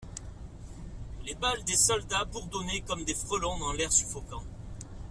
Les balles des soldats bourdonnaient comme des frelons dans l'air suffocant.